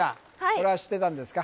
これは知ってたんですか？